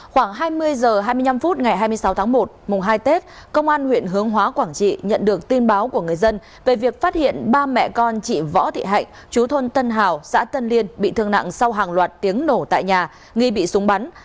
khoảng hai mươi h hai mươi năm phút ngày hai mươi sáu tháng một mùng hai tết công an huyện hướng hóa quảng trị nhận được tin báo của người dân về việc phát hiện ba mẹ con chị võ thị hạnh chú thôn tân hào xã tân liên bị thương nặng sau hàng loạt tiếng nổ tại nhà nghi bị súng bắn